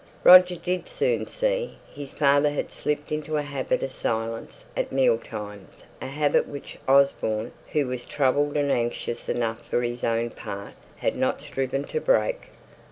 Roger did soon see. His father had slipped into a habit of silence at meal times a habit which Osborne, who was troubled and anxious enough for his own part, had not striven to break.